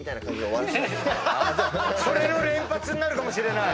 それの連発になるかもしれない。